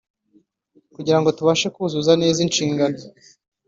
kugira ngo tubashe kuzuza neza inshingano